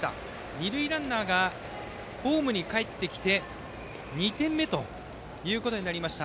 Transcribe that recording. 二塁ランナーがホームにかえってきて２点目となりました。